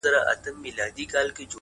د پيغورونو په مالت کي بې ريا ياري ده؛